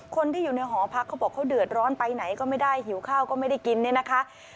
คนที่อยู่ในหอพักเขาบอกเขาเดือดร้อนไปไหนก็ไม่ได้หิวข้าวก็ไม่ได้กินเนี่ยนะคะ